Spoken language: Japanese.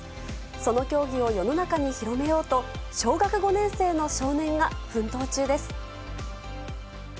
その競技を世の中に広めようと、小学５年生の少年が奮闘中です。